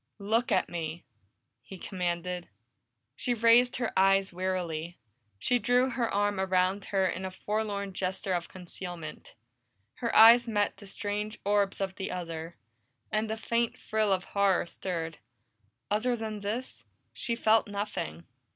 "Look at me!" he commanded. She raised her eyes wearily; she drew her arm about her in a forlorn gesture of concealment. Her eyes met the strange orbs of the other, and a faint thrill of horror stirred; other than this, she felt nothing.